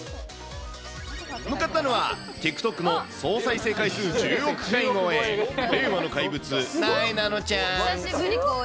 向かったのは、ＴｉｋＴｏｋの総再生回数１０億回超え、令和の怪物、なえなのちゃん。